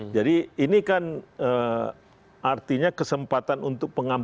jadi ini kan artinya kesempatan untuk pengambil